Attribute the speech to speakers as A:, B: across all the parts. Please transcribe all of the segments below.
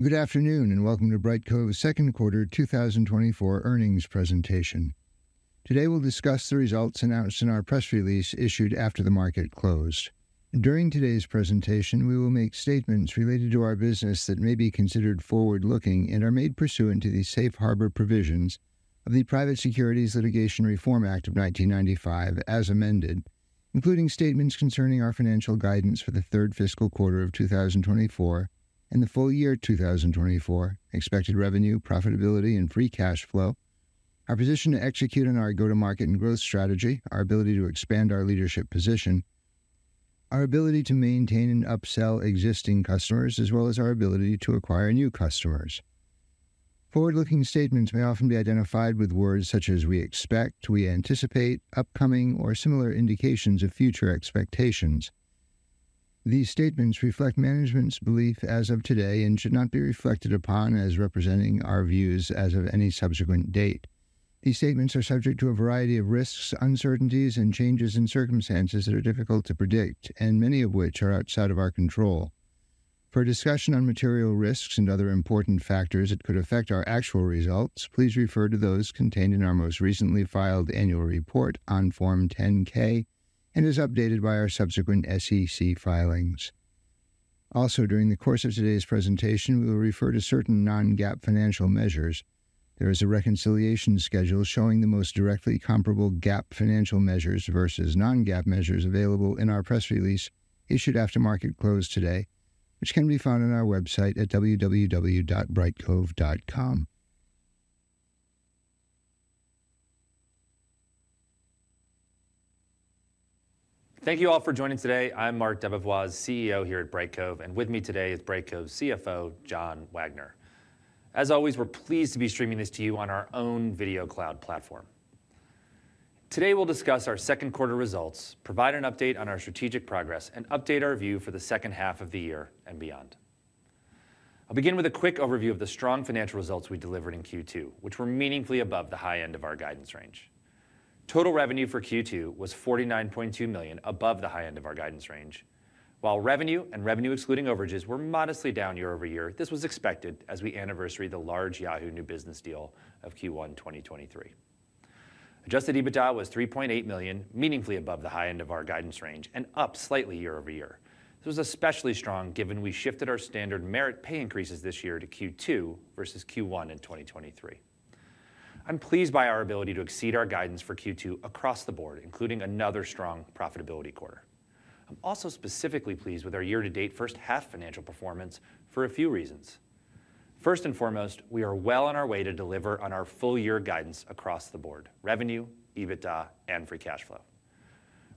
A: Good afternoon, and welcome to Brightcove's second quarter 2024 earnings presentation. Today, we'll discuss the results announced in our press release issued after the market closed. During today's presentation, we will make statements related to our business that may be considered forward-looking and are made pursuant to the Safe Harbor provisions of the Private Securities Litigation Reform Act of 1995, as amended, including statements concerning our financial guidance for the third fiscal quarter of 2024 and the full year 2024, expected revenue, profitability, and free cash flow, our position to execute on our go-to-market and growth strategy, our ability to expand our leadership position, our ability to maintain and upsell existing customers, as well as our ability to acquire new customers. Forward-looking statements may often be identified with words such as: "we expect," "we anticipate," "upcoming," or similar indications of future expectations. These statements reflect management's belief as of today and should not be reflected upon as representing our views as of any subsequent date. These statements are subject to a variety of risks, uncertainties, and changes in circumstances that are difficult to predict, and many of which are outside of our control. For a discussion on material risks and other important factors that could affect our actual results, please refer to those contained in our most recently filed annual report on Form 10-K and as updated by our subsequent SEC filings. Also, during the course of today's presentation, we will refer to certain non-GAAP financial measures. There is a reconciliation schedule showing the most directly comparable GAAP financial measures versus non-GAAP measures available in our press release issued after market close today, which can be found on our website at www.brightcove.com.
B: Thank you all for joining today. I'm Marc DeBevoise, CEO here at Brightcove, and with me today is Brightcove's CFO, John Wagner. As always, we're pleased to be streaming this to you on our own Video Cloud platform. Today, we'll discuss our second quarter results, provide an update on our strategic progress, and update our view for the second half of the year and beyond. I'll begin with a quick overview of the strong financial results we delivered in Q2, which were meaningfully above the high end of our guidance range. Total revenue for Q2 was $49.2 million, above the high end of our guidance range. While revenue and revenue excluding overages were modestly down year-over-year, this was expected as we anniversary the large Yahoo new business deal of Q1 2023. Adjusted EBITDA was $3.8 million, meaningfully above the high end of our guidance range and up slightly year-over-year. This was especially strong given we shifted our standard merit pay increases this year to Q2 versus Q1 in 2023. I'm pleased by our ability to exceed our guidance for Q2 across the board, including another strong profitability quarter. I'm also specifically pleased with our year-to-date first half financial performance for a few reasons. First and foremost, we are well on our way to deliver on our full year guidance across the board: revenue, EBITDA, and free cash flow.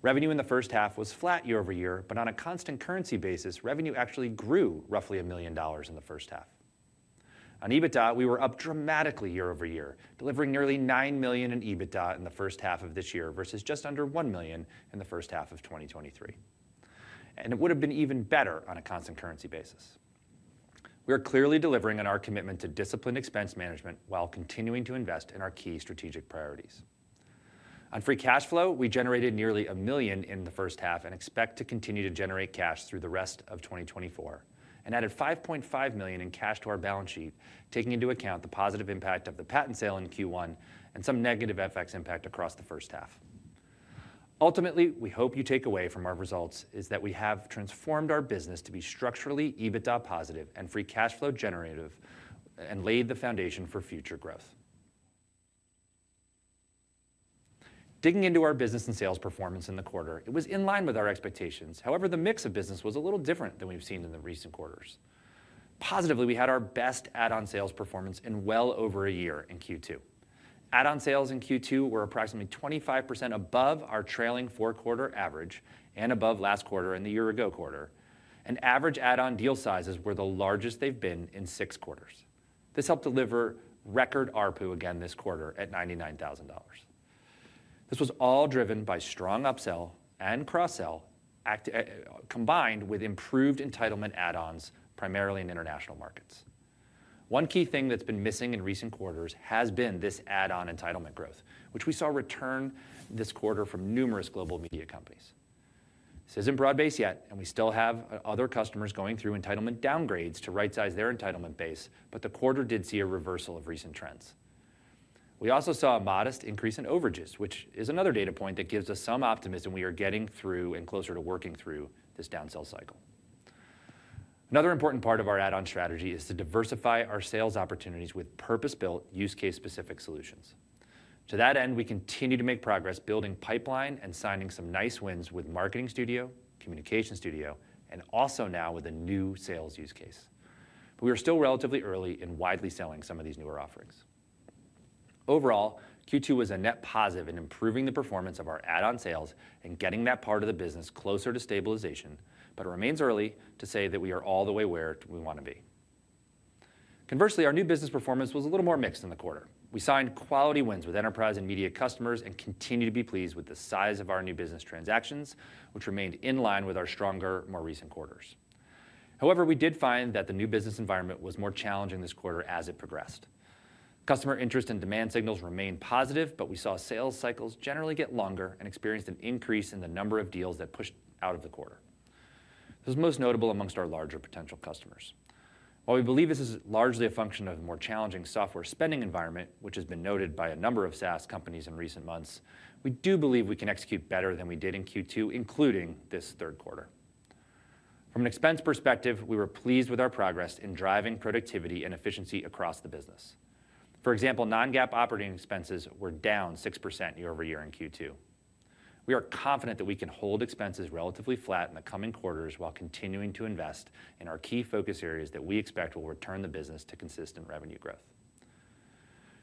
B: Revenue in the first half was flat year-over-year, but on a constant currency basis, revenue actually grew roughly $1 million in the first half. On EBITDA, we were up dramatically year-over-year, delivering nearly $9 million in EBITDA in the first half of this year versus just under $1 million in the first half of 2023. It would have been even better on a constant currency basis. We are clearly delivering on our commitment to disciplined expense management while continuing to invest in our key strategic priorities. On free cash flow, we generated nearly $1 million in the first half and expect to continue to generate cash through the rest of 2024, and added $5.5 million in cash to our balance sheet, taking into account the positive impact of the patent sale in Q1 and some negative FX impact across the first half. Ultimately, we hope you take away from our results is that we have transformed our business to be structurally EBITDA positive and free cash flow generative, and laid the foundation for future growth. Digging into our business and sales performance in the quarter, it was in line with our expectations. However, the mix of business was a little different than we've seen in the recent quarters. Positively, we had our best add-on sales performance in well over a year in Q2. Add-on sales in Q2 were approximately 25% above our trailing four-quarter average and above last quarter and the year-ago quarter, and average add-on deal sizes were the largest they've been in six quarters. This helped deliver record ARPU again this quarter at $99,000. This was all driven by strong upsell and cross-sell act, combined with improved entitlement add-ons, primarily in international markets. One key thing that's been missing in recent quarters has been this add-on entitlement growth, which we saw return this quarter from numerous global media companies. This isn't broad-based yet, and we still have other customers going through entitlement downgrades to rightsize their entitlement base, but the quarter did see a reversal of recent trends. We also saw a modest increase in overages, which is another data point that gives us some optimism we are getting through and closer to working through this downsell cycle. Another important part of our add-on strategy is to diversify our sales opportunities with purpose-built, use case-specific solutions. To that end, we continue to make progress building pipeline and signing some nice wins with Marketing Studio, Communication Studio, and also now with a new sales use case. We are still relatively early in widely selling some of these newer offerings. Overall, Q2 was a net positive in improving the performance of our add-on sales and getting that part of the business closer to stabilization, but it remains early to say that we are all the way where we want to be. Conversely, our new business performance was a little more mixed in the quarter. We signed quality wins with enterprise and media customers and continue to be pleased with the size of our new business transactions, which remained in line with our stronger, more recent quarters. However, we did find that the new business environment was more challenging this quarter as it progressed. Customer interest and demand signals remained positive, but we saw sales cycles generally get longer and experienced an increase in the number of deals that pushed out of the quarter. This is most notable among our larger potential customers. While we believe this is largely a function of a more challenging software spending environment, which has been noted by a number of SaaS companies in recent months, we do believe we can execute better than we did in Q2, including this third quarter. From an expense perspective, we were pleased with our progress in driving productivity and efficiency across the business. For example, non-GAAP operating expenses were down 6% year-over-year in Q2. We are confident that we can hold expenses relatively flat in the coming quarters while continuing to invest in our key focus areas that we expect will return the business to consistent revenue growth.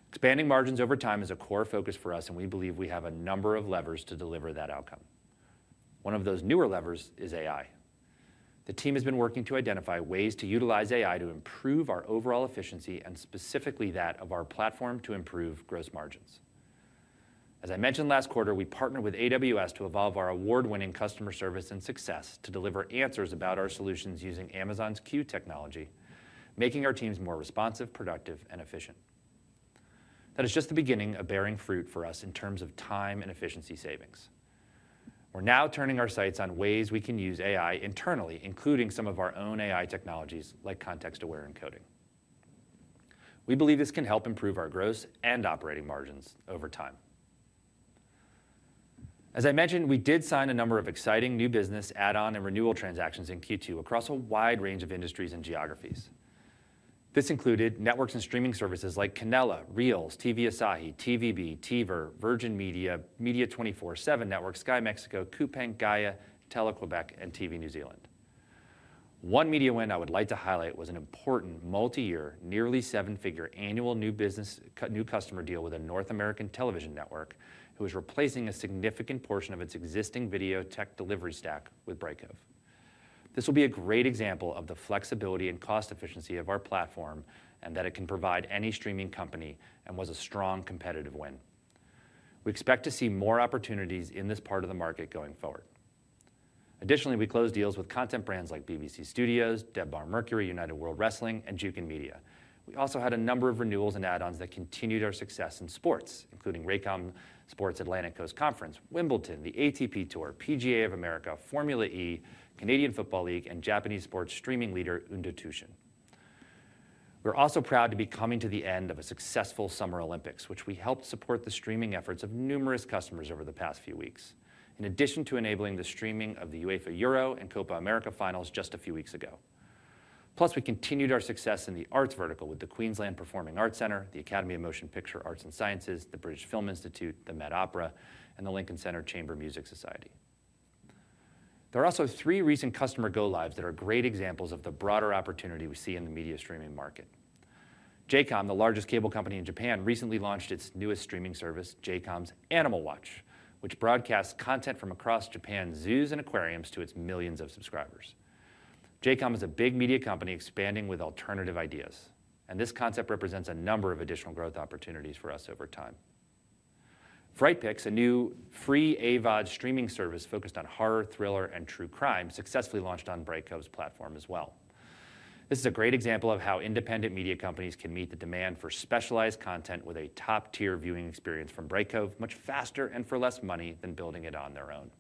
B: Expanding margins over time is a core focus for us, and we believe we have a number of levers to deliver that outcome. One of those newer levers is AI. The team has been working to identify ways to utilize AI to improve our overall efficiency, and specifically that of our platform to improve gross margins. As I mentioned last quarter, we partnered with AWS to evolve our award-winning customer service and success to deliver answers about our solutions using Amazon's Q technology, making our teams more responsive, productive, and efficient. That is just the beginning of bearing fruit for us in terms of time and efficiency savings. We're now turning our sights on ways we can use AI internally, including some of our own AI technologies, like Context-Aware Encoding. We believe this can help improve our gross and operating margins over time. As I mentioned, we did sign a number of exciting new business add-on and renewal transactions in Q2 across a wide range of industries and geographies. This included networks and streaming services like Canela, REELZ, TV Asahi, TVB, TVer, Virgin Media, Media24, Seven Network, Sky Mexico, Coupang, Gaia, Télé-Québec, and TV New Zealand. One media win I would like to highlight was an important multi-year, nearly seven-figure annual new business new customer deal with a North American television network, who is replacing a significant portion of its existing video tech delivery stack with Brightcove. This will be a great example of the flexibility and cost efficiency of our platform, and that it can provide any streaming company and was a strong competitive win. We expect to see more opportunities in this part of the market going forward. Additionally, we closed deals with content brands like BBC Studios, Debmar-Mercury, United World Wrestling, and Jukin Media. We also had a number of renewals and add-ons that continued our success in sports, including Rakuten Sports Atlantic Coast Conference, Wimbledon, the ATP Tour, PGA of America, Formula E, Canadian Football League, and Japanese sports streaming leader, DAZN. We're also proud to be coming to the end of a successful Summer Olympics, which we helped support the streaming efforts of numerous customers over the past few weeks, in addition to enabling the streaming of the UEFA Euro and Copa America finals just a few weeks ago. Plus, we continued our success in the arts vertical with the Queensland Performing Arts Center, the Academy of Motion Picture Arts and Sciences, the British Film Institute, the Met Opera, and the Lincoln Center Chamber Music Society. There are also three recent customer go-lives that are great examples of the broader opportunity we see in the media streaming market. J:COM, the largest cable company in Japan, recently launched its newest streaming service, J:COM's Animal Watch, which broadcasts content from across Japan's zoos and aquariums to its millions of subscribers. J:COM is a big media company expanding with alternative ideas, and this concept represents a number of additional growth opportunities for us over time. FrightPix, a new free AVOD streaming service focused on horror, thriller, and true crime, successfully launched on Brightcove's platform as well. This is a great example of how independent media companies can meet the demand for specialized content with a top-tier viewing experience from Brightcove, much faster and for less money than building it on their own.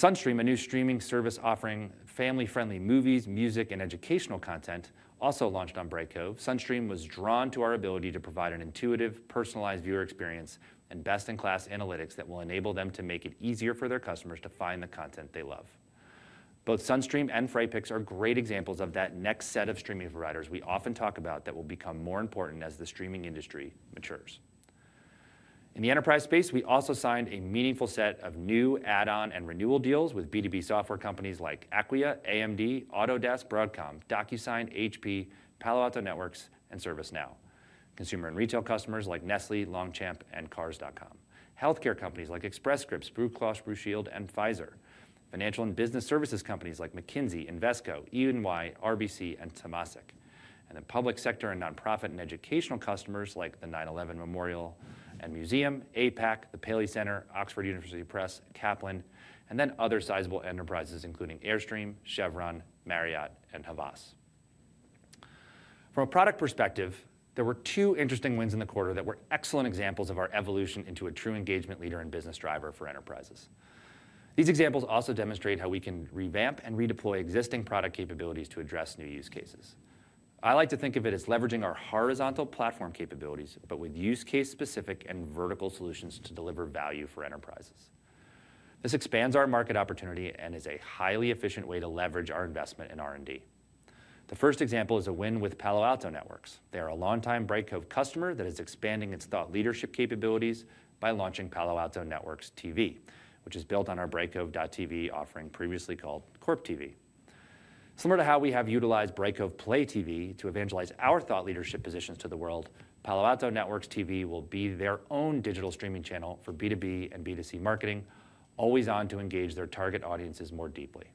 B: Sonstream, a new streaming service offering family-friendly movies, music, and educational content, also launched on Brightcove. Sonstream was drawn to our ability to provide an intuitive, personalized viewer experience and best-in-class analytics that will enable them to make it easier for their customers to find the content they love. Both Sonstream and FrightPix are great examples of that next set of streaming providers we often talk about that will become more important as the streaming industry matures. In the enterprise space, we also signed a meaningful set of new add-on and renewal deals with B2B software companies like Acquia, AMD, Autodesk, Broadcom, DocuSign, HP, Palo Alto Networks, and ServiceNow. Consumer and retail customers like Nestlé, Longchamp, and Cars.com, healthcare companies like Express Scripts, Blue Cross Blue Shield, and Pfizer, financial and business services companies like McKinsey, Invesco, E&Y, RBC, and Temasek, and then public sector and nonprofit and educational customers like the 9/11 Memorial & Museum, AIPAC, the Paley Center, Oxford University Press, Kaplan, and then other sizable enterprises, including Airstream, Chevron, Marriott, and Havas. From a product perspective, there were two interesting wins in the quarter that were excellent examples of our evolution into a true engagement leader and business driver for enterprises. These examples also demonstrate how we can revamp and redeploy existing product capabilities to address new use cases. I like to think of it as leveraging our horizontal platform capabilities, but with use case-specific and vertical solutions to deliver value for enterprises. This expands our market opportunity and is a highly efficient way to leverage our investment in R&D. The first example is a win with Palo Alto Networks. They are a longtime Brightcove customer that is expanding its thought leadership capabilities by launching Palo Alto Networks TV, which is built on our Brightcove.tv offering, previously called CorpTV. Similar to how we have utilized Brightcove Play TV to evangelize our thought leadership positions to the world, Palo Alto Networks TV will be their own digital streaming channel for B2B and B2C marketing, always on to engage their target audiences more deeply.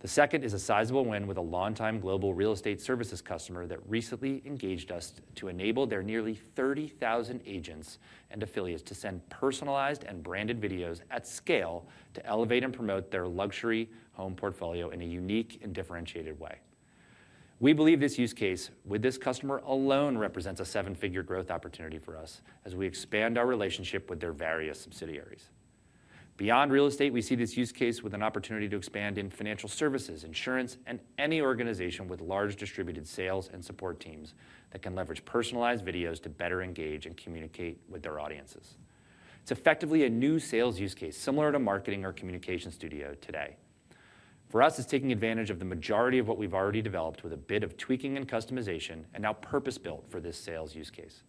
B: The second is a sizable win with a longtime global real estate services customer that recently engaged us to enable their nearly 30,000 agents and affiliates to send personalized and branded videos at scale to elevate and promote their luxury home portfolio in a unique and differentiated way... We believe this use case with this customer alone represents a seven-figure growth opportunity for us as we expand our relationship with their various subsidiaries. Beyond real estate, we see this use case with an opportunity to expand in financial services, insurance, and any organization with large distributed sales and support teams that can leverage personalized videos to better engage and communicate with their audiences. It's effectively a new sales use case, similar to Marketing Studio or Communication Studio today. For us, it's taking advantage of the majority of what we've already developed with a bit of tweaking and customization, and now purpose-built for this sales use case.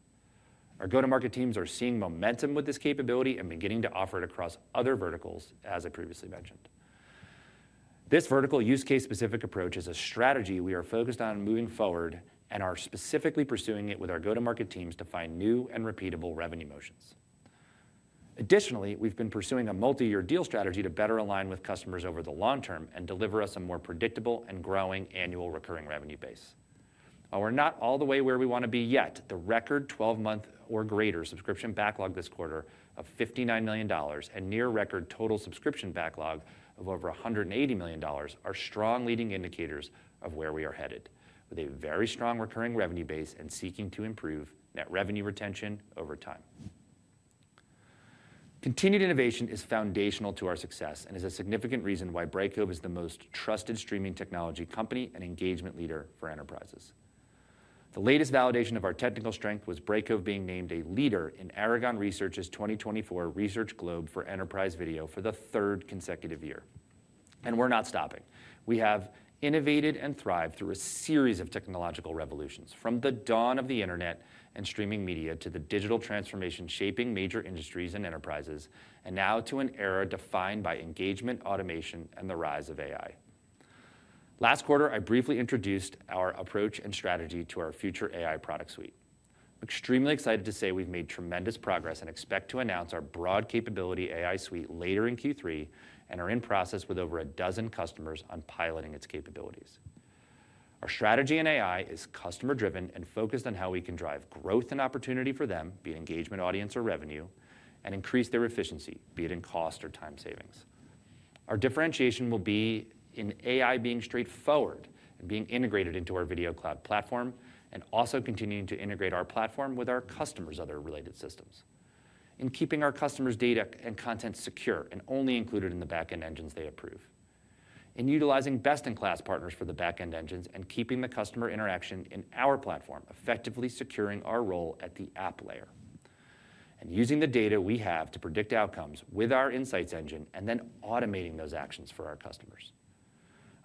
B: Our go-to-market teams are seeing momentum with this capability and beginning to offer it across other verticals, as I previously mentioned. This vertical use case-specific approach is a strategy we are focused on moving forward and are specifically pursuing it with our go-to-market teams to find new and repeatable revenue motions. Additionally, we've been pursuing a multi-year deal strategy to better align with customers over the long term and deliver us a more predictable and growing annual recurring revenue base. While we're not all the way where we want to be yet, the record twelve-month or greater subscription backlog this quarter of $59 million and near record total subscription backlog of over $180 million are strong leading indicators of where we are headed, with a very strong recurring revenue base and seeking to improve net revenue retention over time. Continued innovation is foundational to our success and is a significant reason why Brightcove is the most trusted streaming technology company and engagement leader for enterprises. The latest validation of our technical strength was Brightcove being named a leader in Aragon Research's 2024 Research Globe for Enterprise Video for the third consecutive year, and we're not stopping. We have innovated and thrived through a series of technological revolutions, from the dawn of the internet and streaming media to the digital transformation shaping major industries and enterprises, and now to an era defined by engagement, automation, and the rise of AI. Last quarter, I briefly introduced our approach and strategy to our future AI product suite. Extremely excited to say we've made tremendous progress and expect to announce our broad capability AI suite later in Q3, and are in process with over a dozen customers on piloting its capabilities. Our strategy in AI is customer-driven and focused on how we can drive growth and opportunity for them, be it engagement, audience, or revenue, and increase their efficiency, be it in cost or time savings. Our differentiation will be in AI being straightforward and being integrated into our Video Cloud platform, and also continuing to integrate our platform with our customers' other related systems. In keeping our customers' data and content secure and only included in the back-end engines they approve. In utilizing best-in-class partners for the back-end engines and keeping the customer interaction in our platform, effectively securing our role at the app layer. And using the data we have to predict outcomes with our insights engine and then automating those actions for our customers.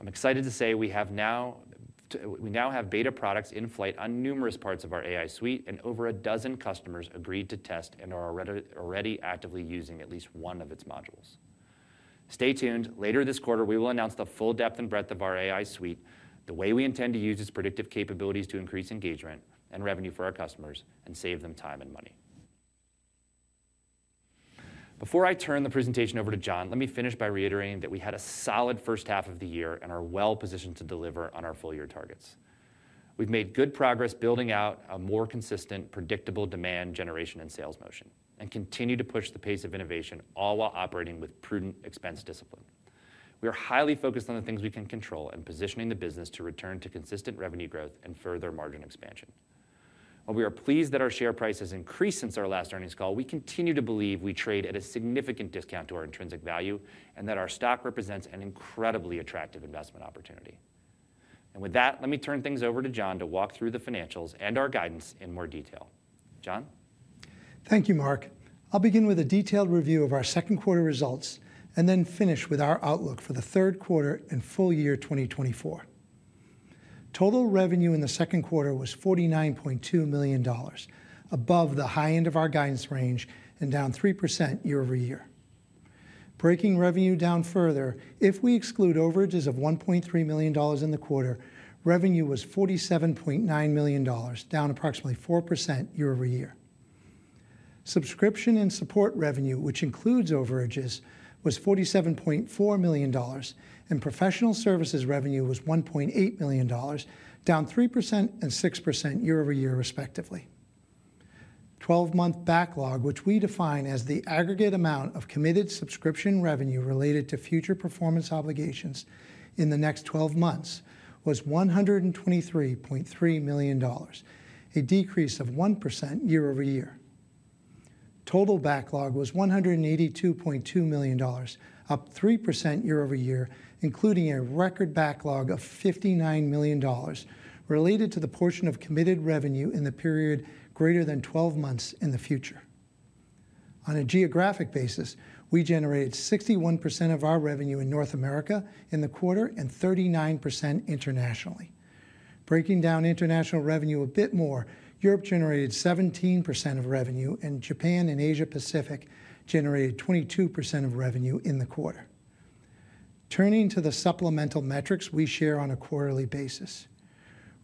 B: I'm excited to say we have now, we now have beta products in flight on numerous parts of our AI suite, and over a dozen customers agreed to test and are already, already actively using at least one of its modules. Stay tuned. Later this quarter, we will announce the full depth and breadth of our AI suite, the way we intend to use its predictive capabilities to increase engagement and revenue for our customers and save them time and money. Before I turn the presentation over to John, let me finish by reiterating that we had a solid first half of the year and are well-positioned to deliver on our full-year targets. We've made good progress building out a more consistent, predictable demand generation and sales motion, and continue to push the pace of innovation, all while operating with prudent expense discipline. We are highly focused on the things we can control and positioning the business to return to consistent revenue growth and further margin expansion. While we are pleased that our share price has increased since our last earnings call, we continue to believe we trade at a significant discount to our intrinsic value and that our stock represents an incredibly attractive investment opportunity. With that, let me turn things over to John to walk through the financials and our guidance in more detail. John?
C: Thank you, Marc. I'll begin with a detailed review of our second quarter results, and then finish with our outlook for the third quarter and full year 2024. Total revenue in the second quarter was $49.2 million, above the high end of our guidance range and down 3% year-over-year. Breaking revenue down further, if we exclude overages of $1.3 million in the quarter, revenue was $47.9 million, down approximately 4% year-over-year. Subscription and support revenue, which includes overages, was $47.4 million, and professional services revenue was $1.8 million, down 3% and 6% year-over-year, respectively. 12-month backlog, which we define as the aggregate amount of committed subscription revenue related to future performance obligations in the next 12 months, was $123.3 million, a decrease of 1% year-over-year. Total backlog was $182.2 million, up 3% year-over-year, including a record backlog of $59 million related to the portion of committed revenue in the period greater than 12 months in the future. On a geographic basis, we generated 61% of our revenue in North America in the quarter and 39% internationally. Breaking down international revenue a bit more, Europe generated 17% of revenue, and Japan and Asia Pacific generated 22% of revenue in the quarter. Turning to the supplemental metrics we share on a quarterly basis.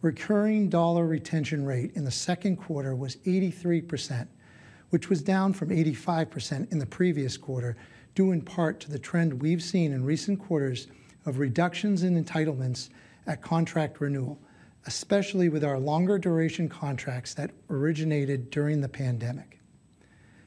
C: Recurring dollar retention rate in the second quarter was 83%, which was down from 85% in the previous quarter, due in part to the trend we've seen in recent quarters of reductions in entitlements at contract renewal, especially with our longer-duration contracts that originated during the pandemic.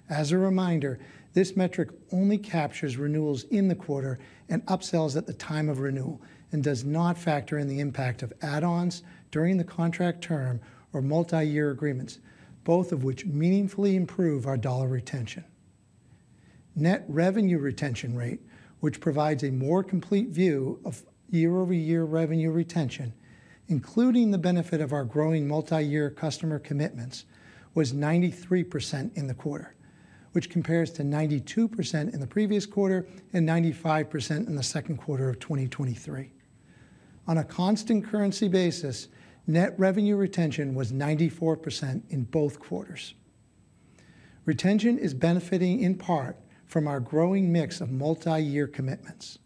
C: As a reminder, this metric only captures renewals in the quarter and upsells at the time of renewal and does not factor in the impact of add-ons during the contract term or multi-year agreements, both of which meaningfully improve our dollar retention. Net revenue retention rate, which provides a more complete view of year-over-year revenue retention, including the benefit of our growing multi-year customer commitments, was 93% in the quarter, which compares to 92% in the previous quarter and 95% in the second quarter of 2023. On a constant currency basis, net revenue retention was 94% in both quarters. Retention is benefiting in part from our growing mix of multi-year commitments.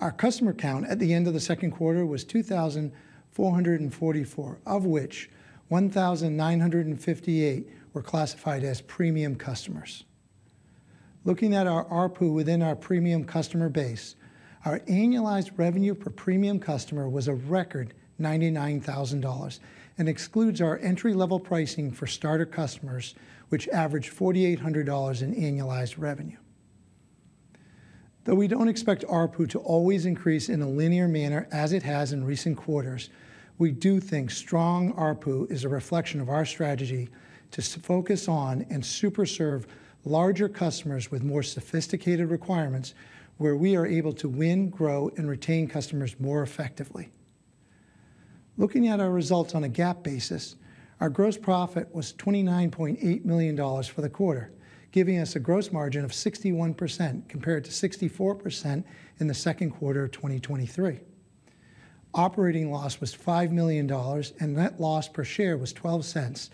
C: Our customer count at the end of the second quarter was 2,444, of which 1,958 were classified as premium customers. Looking at our ARPU within our premium customer base, our annualized revenue per premium customer was a record $99,000 and excludes our entry-level pricing for starter customers, which averaged $4,800 in annualized revenue. Though we don't expect ARPU to always increase in a linear manner as it has in recent quarters, we do think strong ARPU is a reflection of our strategy to focus on and super serve larger customers with more sophisticated requirements, where we are able to win, grow, and retain customers more effectively. Looking at our results on a GAAP basis, our gross profit was $29.8 million for the quarter, giving us a gross margin of 61%, compared to 64% in the second quarter of 2023. Operating loss was $5 million, and net loss per share was $0.12,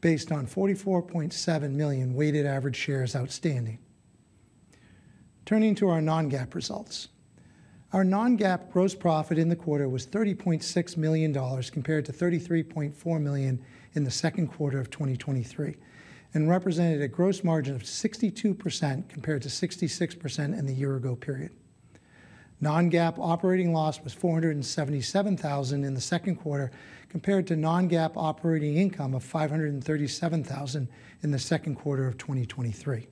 C: based on 44.7 million weighted average shares outstanding. Turning to our non-GAAP results. Our non-GAAP gross profit in the quarter was $30.6 million, compared to $33.4 million in the second quarter of 2023, and represented a gross margin of 62%, compared to 66% in the year-ago period. Non-GAAP operating loss was $477,000 in the second quarter, compared to non-GAAP operating income of $537,000 in the second quarter of 2023.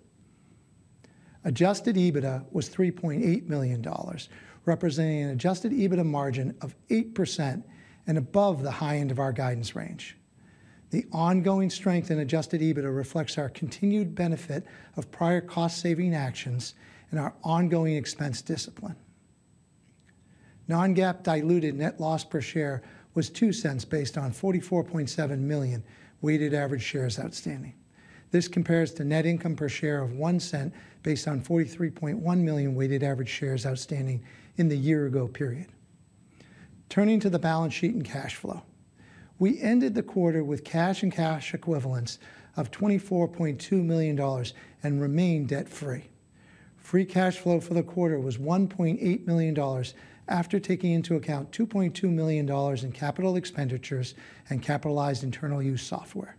C: Adjusted EBITDA was $3.8 million, representing an adjusted EBITDA margin of 8% and above the high end of our guidance range. The ongoing strength in adjusted EBITDA reflects our continued benefit of prior cost-saving actions and our ongoing expense discipline. Non-GAAP diluted net loss per share was $0.02 based on 44.7 million weighted average shares outstanding. This compares to net income per share of $0.01 based on 43.1 million weighted average shares outstanding in the year-ago period. Turning to the balance sheet and cash flow. We ended the quarter with cash and cash equivalents of $24.2 million and remain debt-free. Free cash flow for the quarter was $1.8 million after taking into account $2.2 million in capital expenditures and capitalized internal use software.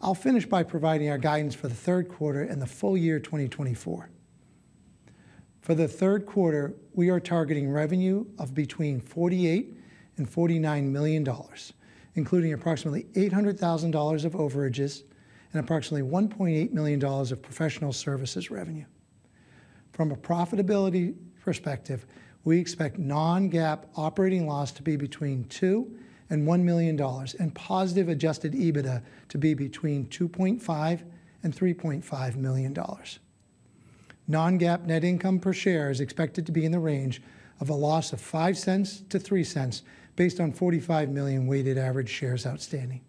C: I'll finish by providing our guidance for the third quarter and the full year 2024. For the third quarter, we are targeting revenue of between $48 million and $49 million, including approximately $800,000 of overages and approximately $1.8 million of professional services revenue. From a profitability perspective, we expect non-GAAP operating loss to be between $2 million and $1 million and positive adjusted EBITDA to be between $2.5 million and $3.5 million. Non-GAAP net income per share is expected to be in the range of a loss of $0.05-$0.03 based on 45 million weighted average shares outstanding.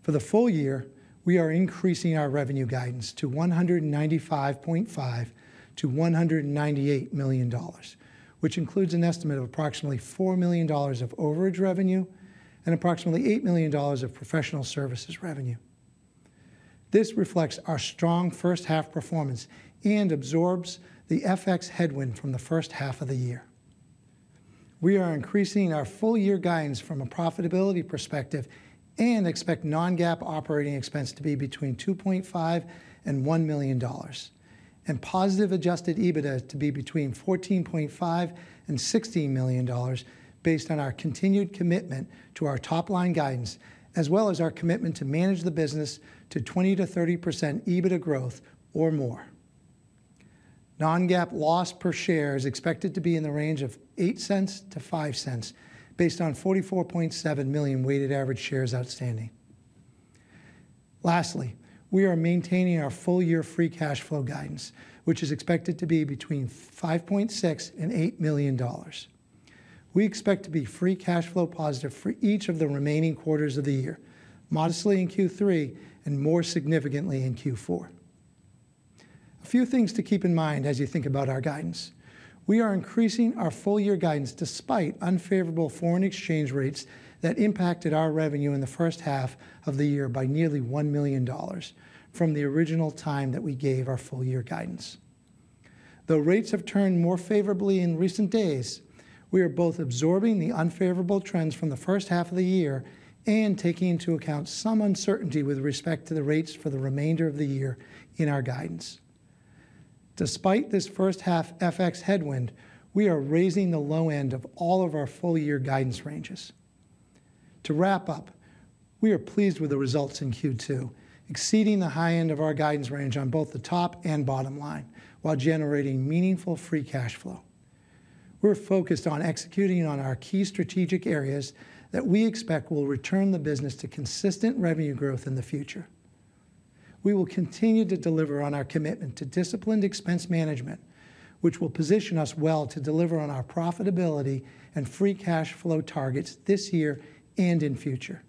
C: For the full year, we are increasing our revenue guidance to $195.5 million-$198 million, which includes an estimate of approximately $4 million of overage revenue and approximately $8 million of professional services revenue. This reflects our strong first half performance and absorbs the FX headwind from the first half of the year. We are increasing our full-year guidance from a profitability perspective and expect non-GAAP operating expense to be between $2.5 million and $1 million, and positive Adjusted EBITDA to be between $14.5 million and $16 million based on our continued commitment to our top-line guidance, as well as our commitment to manage the business to 20%-30% EBITDA growth or more. Non-GAAP loss per share is expected to be in the range of -$0.08 to -$0.05 based on 44.7 million weighted average shares outstanding. Lastly, we are maintaining our full-year free cash flow guidance, which is expected to be between $5.6 million and $8 million. We expect to be free cash flow positive for each of the remaining quarters of the year, modestly in Q3 and more significantly in Q4. A few things to keep in mind as you think about our guidance. We are increasing our full-year guidance despite unfavorable foreign exchange rates that impacted our revenue in the first half of the year by nearly $1 million from the original time that we gave our full-year guidance. Though rates have turned more favorably in recent days, we are both absorbing the unfavorable trends from the first half of the year and taking into account some uncertainty with respect to the rates for the remainder of the year in our guidance. Despite this first half FX headwind, we are raising the low end of all of our full-year guidance ranges. To wrap up, we are pleased with the results in Q2, exceeding the high end of our guidance range on both the top and bottom line, while generating meaningful free cash flow. We're focused on executing on our key strategic areas that we expect will return the business to consistent revenue growth in the future. We will continue to deliver on our commitment to disciplined expense management, which will position us well to deliver on our profitability and free cash flow targets this year and in future.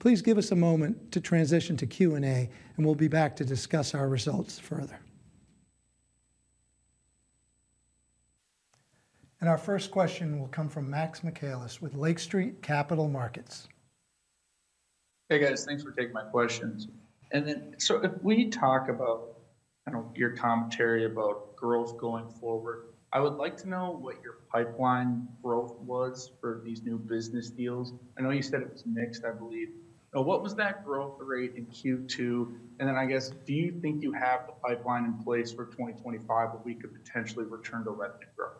C: Please give us a moment to transition to Q&A, and we'll be back to discuss our results further. Our first question will come from Max Michaelis with Lake Street Capital Markets.
D: Hey, guys. Thanks for taking my questions. And then, so if we talk about, I know, your commentary about growth going forward, I would like to know what your pipeline growth was for these new business deals. I know you said it was mixed, I believe. Now, what was that growth rate in Q2? And then, I guess, do you think you have the pipeline in place for 2025, where we could potentially return to revenue growth?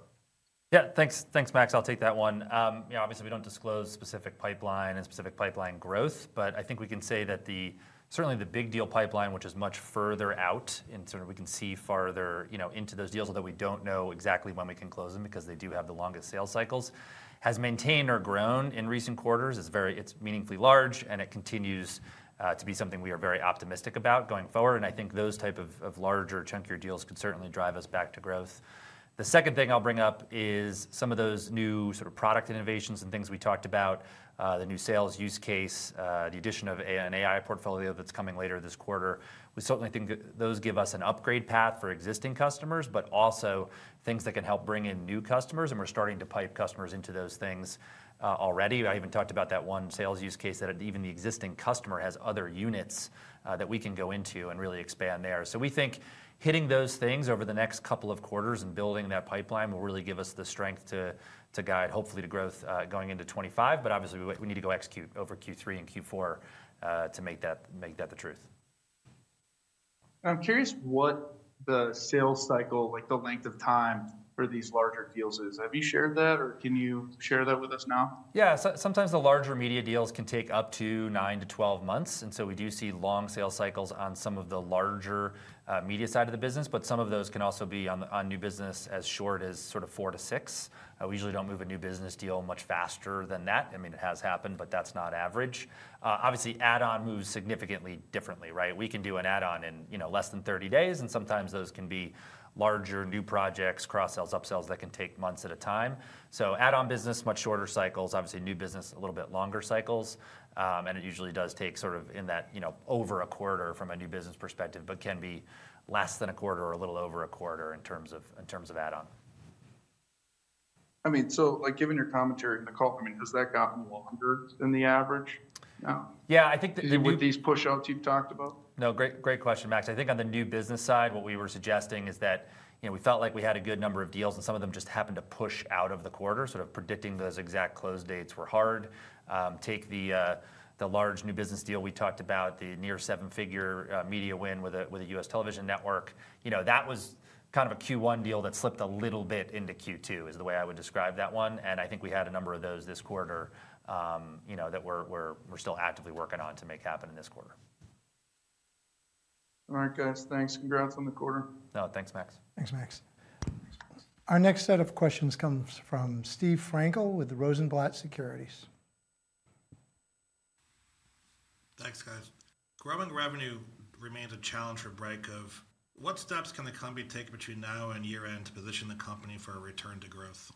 B: Yeah, thanks. Thanks, Max, I'll take that one. Yeah, obviously, we don't disclose specific pipeline and specific pipeline growth, but I think we can say that the- certainly the big deal pipeline, which is much further out, and sort of we can see farther, you know, into those deals, although we don't know exactly when we can close them because they do have the longest sales cycles, has maintained or grown in recent quarters. It's very-- it's meaningfully large, and it continues to be something we are very optimistic about going forward, and I think those type of, of larger, chunkier deals could certainly drive us back to growth. The second thing I'll bring up is some of those new sort of product innovations and things we talked about, the new sales use case, the addition of an AI portfolio that's coming later this quarter. We certainly think those give us an upgrade path for existing customers, but also things that can help bring in new customers, and we're starting to pipe customers into those things, already. I even talked about that one sales use case, that even the existing customer has other units, that we can go into and really expand there. So we think hitting those things over the next couple of quarters and building that pipeline will really give us the strength to guide, hopefully, to growth, going into 2025. But obviously, we need to go execute over Q3 and Q4, to make that the truth.
D: I'm curious what the sales cycle, like, the length of time for these larger deals is? Have you shared that, or can you share that with us now?
B: Yeah, so sometimes the larger media deals can take up to nine to 12 months, and so we do see long sales cycles on some of the larger, media side of the business, but some of those can also be on, on new business as short as sort of four to six. We usually don't move a new business deal much faster than that. I mean, it has happened, but that's not average. Obviously, add-on moves significantly differently, right? We can do an add-on in, you know, less than 30 days, and sometimes those can be larger, new projects, cross-sells, up-sells, that can take months at a time. So add-on business, much shorter cycles, obviously, new business, a little bit longer cycles. And it usually does take sort of in that, you know, over a quarter from a new business perspective, but can be less than a quarter or a little over a quarter in terms of, in terms of add on.
D: I mean, so, like, given your commentary, I mean, has that gotten longer than the average now?
B: Yeah, I think.
D: With these pushouts you've talked about?
B: No, great, great question, Max. I think on the new business side, what we were suggesting is that, you know, we felt like we had a good number of deals, and some of them just happened to push out of the quarter, sort of predicting those exact close dates were hard. Take the large new business deal we talked about, the near seven-figure media win with a U.S. television network. You know, that was kind of a Q1 deal that slipped a little bit into Q2, is the way I would describe that one, and I think we had a number of those this quarter, you know, that we're still actively working on to make happen in this quarter.
D: All right, guys. Thanks. Congrats on the quarter.
B: Oh, thanks, Max.
C: Thanks, Max. Our next set of questions comes from Steve Frankel with Rosenblatt Securities.
E: Thanks, guys. Growing revenue remains a challenge for Brightcove. What steps can the company take between now and year-end to position the company for a return to growth?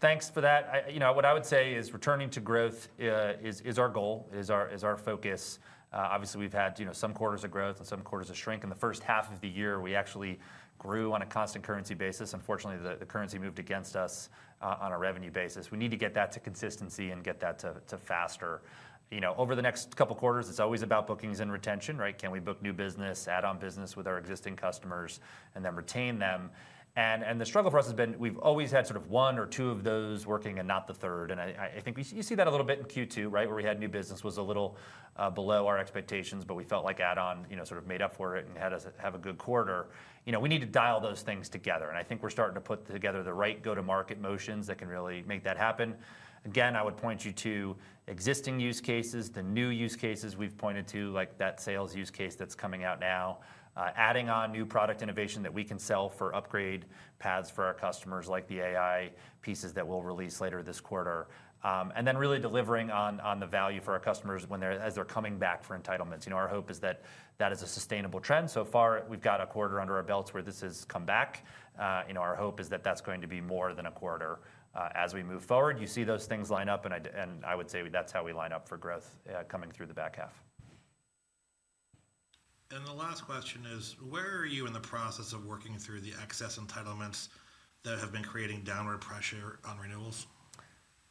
B: Thanks for that. You know, what I would say is returning to growth is our goal, our focus. Obviously, we've had, you know, some quarters of growth and some quarters of shrink. In the first half of the year, we actually grew on a constant currency basis. Unfortunately, the currency moved against us on a revenue basis. We need to get that to consistency and get that to faster. You know, over the next couple of quarters, it's always about bookings and retention, right? Can we book new business, add-on business with our existing customers and then retain them? And the struggle for us has been, we've always had sort of one or two of those working and not the third. And I think we—you see that a little bit in Q2, right? Where we had new business was a little below our expectations, but we felt like add-on, you know, sort of made up for it and had us have a good quarter. You know, we need to dial those things together, and I think we're starting to put together the right go-to-market motions that can really make that happen. Again, I would point you to existing use cases, the new use cases we've pointed to, like that sales use case that's coming out now. Adding on new product innovation that we can sell for upgrade paths for our customers, like the AI pieces that we'll release later this quarter. And then really delivering on the value for our customers as they're coming back for entitlements. You know, our hope is that that is a sustainable trend. So far, we've got a quarter under our belts where this has come back. You know, our hope is that that's going to be more than a quarter as we move forward. You see those things line up, and I would say that's how we line up for growth coming through the back half.
E: The last question is: Where are you in the process of working through the excess entitlements that have been creating downward pressure on renewals?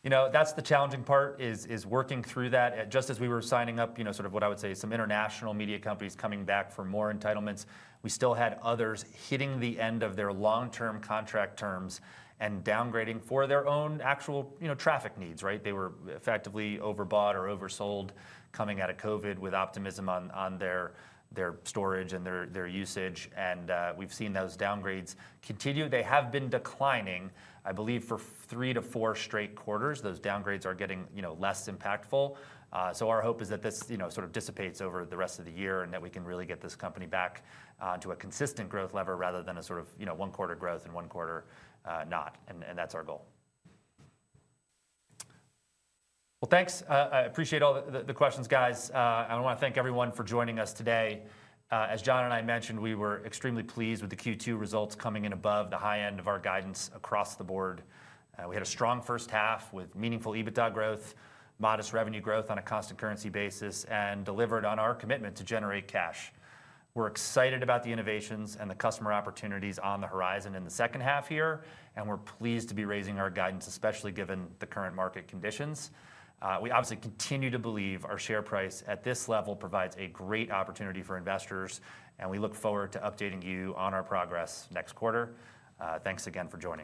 B: You know, that's the challenging part, is, is working through that. Just as we were signing up, you know, sort of what I would say is some international media companies coming back for more entitlements, we still had others hitting the end of their long-term contract terms and downgrading for their own actual, you know, traffic needs, right? They were effectively overbought or oversold coming out of COVID with optimism on, on their, their storage and their, their usage, and, we've seen those downgrades continue. They have been declining, I believe, for three to four straight quarters. Those downgrades are getting, you know, less impactful. So our hope is that this, you know, sort of dissipates over the rest of the year, and that we can really get this company back to a consistent growth level rather than a sort of, you know, one quarter growth and one quarter, not, and, and that's our goal. Well, thanks. I appreciate all the questions, guys. I wanna thank everyone for joining us today. As John and I mentioned, we were extremely pleased with the Q2 results coming in above the high end of our guidance across the board. We had a strong first half with meaningful EBITDA growth, modest revenue growth on a constant currency basis, and delivered on our commitment to generate cash. We're excited about the innovations and the customer opportunities on the horizon in the second half here, and we're pleased to be raising our guidance, especially given the current market conditions. We obviously continue to believe our share price at this level provides a great opportunity for investors, and we look forward to updating you on our progress next quarter. Thanks again for joining us.